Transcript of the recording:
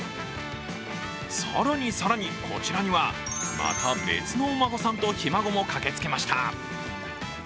更に更に、こちらにはまた別のお孫さんとひ孫も駆けつけました。